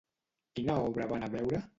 Quina obra va anar a veure?